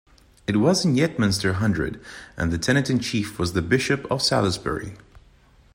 It was in Yetminster Hundred and the tenant-in-chief was the Bishop of Salisbury.